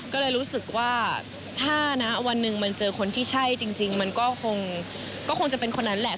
ก็เลยรู้สึกว่าถ้านะวันหนึ่งมันเจอคนที่ใช่จริงมันก็คงจะเป็นคนนั้นแหละ